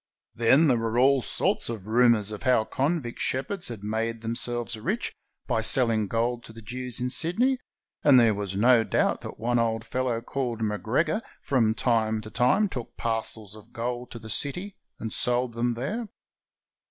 Then there were all sorts of rumors of how convict shepherds had made themselves rich by selhng gold to the Jews in Sydney, and there was no doubt that one old fellow called McGregor from time to time took par cels of gold to the city and sold them there.